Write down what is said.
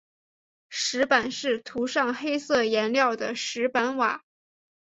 黑板是涂上黑色颜料的石板瓦。